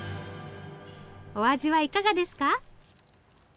お味はいかがですか？